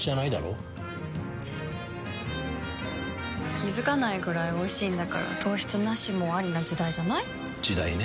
気付かないくらいおいしいんだから糖質ナシもアリな時代じゃない？時代ね。